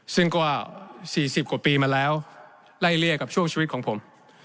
ซึ่งก็๔๐กว่าปีมาแล้วไล่เลี่ยกับช่วงชีวิตของผม